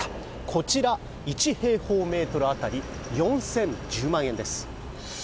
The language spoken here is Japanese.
こちら、１平方メートル当たり４０１０万円です。